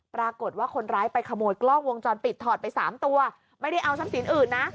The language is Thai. ปรากฏว่าคนร้ายไปขโมยกล้องวงจรปิดถอดไปสามตัวไม่ได้เอาทรัพย์สินอื่นนะ